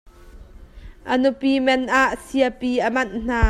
A nupi man ah siapi a manh hna.